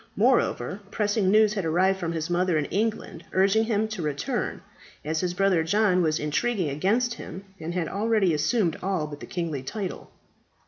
Moreover, pressing news had arrived from his mother in England, urging him to return, as his brother John was intriguing against him, and had already assumed all but the kingly tide.